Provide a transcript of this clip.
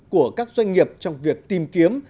của các doanh nghiệp trong việc tìm kiếm